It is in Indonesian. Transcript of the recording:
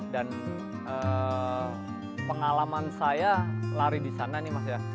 dan pengalaman saya lari di sana nih mas ya